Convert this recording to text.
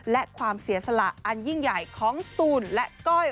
และความเสียสละอันยิ่งใหญ่ของตูนและก้อย